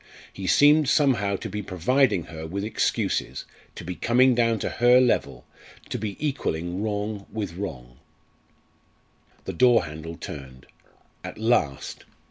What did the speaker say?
He seemed somehow to be providing her with excuses to be coming down to her level to be equalling wrong with wrong. The door handle turned. At last!